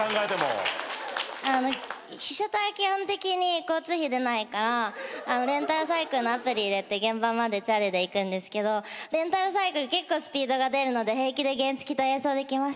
あの被写体基本的に交通費出ないからレンタルサイクルのアプリ入れて現場までチャリで行くんですけどレンタルサイクル結構スピードが出るので平気で原付と並走できます。